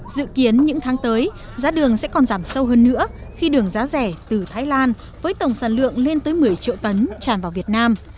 dự kiến những tháng tới giá đường sẽ còn giảm sâu hơn nữa khi đường giá rẻ từ thái lan với tổng sản lượng lên tới một mươi triệu tấn tràn vào việt nam